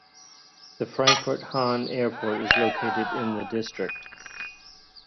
The Frankfurt-Hahn Airport is located in the district.